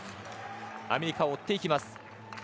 アメリカを追っていきます。